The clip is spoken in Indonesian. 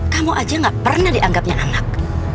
kamu aja gak pernah dianggapnya anak